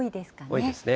多いですね。